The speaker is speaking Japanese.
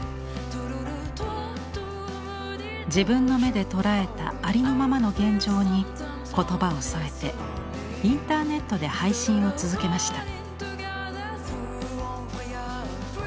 自分の目で捉えたありのままの現状に言葉を添えてインターネットで配信を続けました。